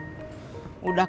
udah ke rumah